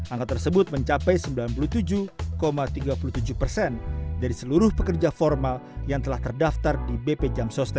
angka tersebut mencapai sembilan puluh tujuh tiga puluh tujuh persen dari seluruh pekerja formal yang telah terdaftar di bp jam sostek